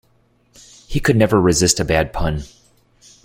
He could never resist a bad pun.